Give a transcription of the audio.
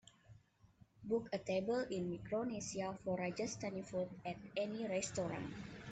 book a table in Micronesia for rajasthani food at any restaurant